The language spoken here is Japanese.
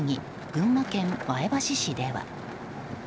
群馬県前橋市では。